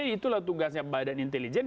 itulah tugasnya badan intelijen